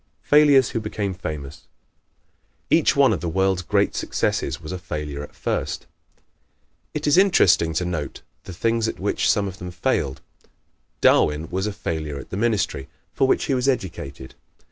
Failures Who Became Famous ¶ Each one of the world's great successes was a failure first. It is interesting to note the things at which some of them failed. Darwin was a failure at the ministry, for which he was educated.